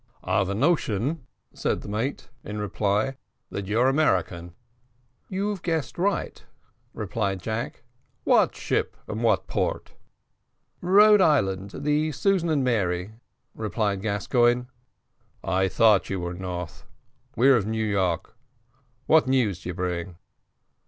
"I've a notion," said the mate, in reply, "that you're American." "You've guessed right," replied Jack. "What ship, and from what port?" "Rhode Island, the Susan and Mary," replied Gascoigne. "I thought you were north. We're of New York. What news do you bring?"